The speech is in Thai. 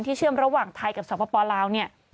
ที่เชื่อมระหว่างไทยกับสวพปลาว